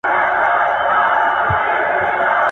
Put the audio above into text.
اور د خپلي لمني بلېږي.